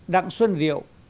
đặng xuân diệu